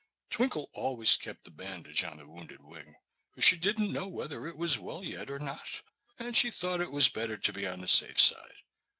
Twinkle always kept the bandage on the wounded wing, for she didn't know whether it was well yet, or not, and she thought it was better to be on the safe side.